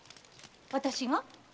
私が？